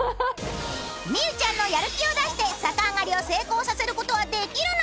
みうちゃんのやる気を出して逆上がりを成功させる事はできるの？